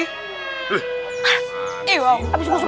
eh aneh banget ini